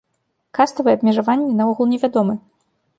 Каставыя абмежаванні наогул не вядомы.